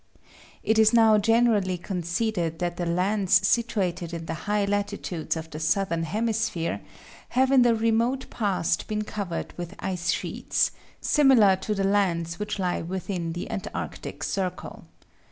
It is now generally conceded that the lands situated in the high latitudes of the southern hemisphere have in the remote past been covered with ice sheets, similar to the lands which lie within the antarctic circle.